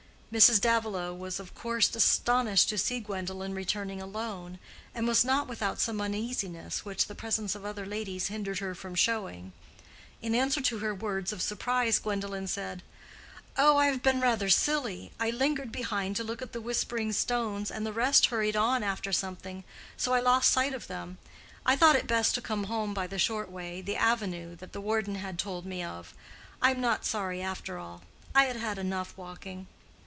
Mrs. Davilow was of course astonished to see Gwendolen returning alone, and was not without some uneasiness which the presence of other ladies hindered her from showing. In answer to her words of surprise Gwendolen said, "Oh, I have been rather silly. I lingered behind to look at the Whispering Stones, and the rest hurried on after something, so I lost sight of them. I thought it best to come home by the short way—the avenue that the warden had told me of. I'm not sorry after all. I had had enough walking."